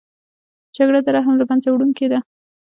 جګړه د رحم له منځه وړونکې ده